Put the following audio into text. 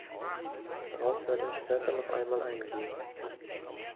Darauf werde ich später noch einmal eingehen.